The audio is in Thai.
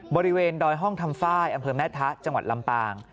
บริเวณดอยห้องทำฝ้ายอำเภอแม่ทะจังหวัดลำปาง